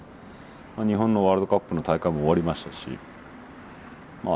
まあ日本のワールドカップの大会も終わりましたしまあ